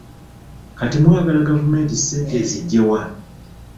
Kati mwagala gavumenti ssente eziggye wa?